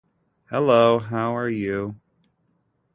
Hello, How are you?